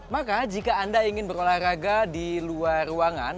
maka jika anda ingin berolahraga di luar ruangan